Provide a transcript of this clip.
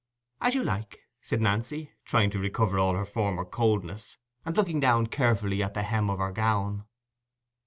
"As you like," said Nancy, trying to recover all her former coldness, and looking down carefully at the hem of her gown.